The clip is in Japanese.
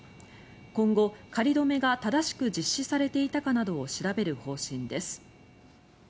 今後、仮止めが正しく実施されていたかなどを調べる方針です。